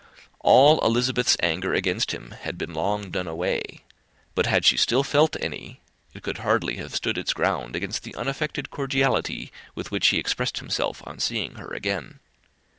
All Elizabeth's anger against him had been long done away; but had she still felt any, it could hardly have stood its ground against the unaffected cordiality with which he expressed himself on seeing her again.